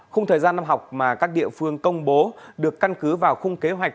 khung thời gian năm học mà các địa phương công bố được căn cứ vào khung kế hoạch